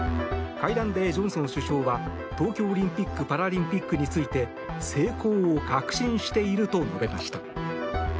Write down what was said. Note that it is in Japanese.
会談でジョンソン首相は東京オリンピック・パラリンピックについて成功を確信していると述べました。